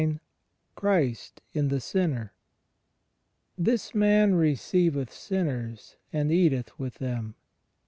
DC CHRIST IN THE SINNER This man receiveth sinners and eaUth with them.